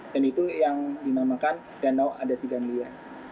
dan itu yang dinamakan danau adasiganilia